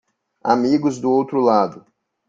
Amigos do outro lado